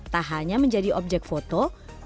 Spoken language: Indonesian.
tak hanya menjadi objek foto